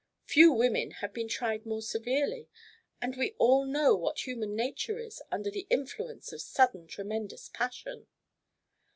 Few women have been tried more severely. And we all know what human nature is under the influence of sudden tremendous passion."